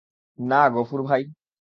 না গফুর ভাই।